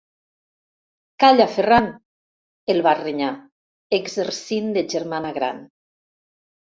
Calla, Ferran –el vas renyar, exercint de germana gran.